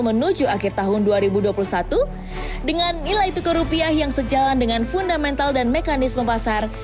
menuju akhir tahun dua ribu dua puluh satu dengan nilai tukar rupiah yang sejalan dengan fundamental dan mekanisme pasar